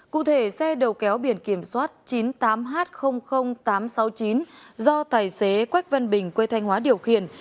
cụ thể xe đầu kéo biển kiểm soát chín mươi tám h tám trăm sáu mươi chín do tài xế quách văn bình quê thanh hóa điều khiển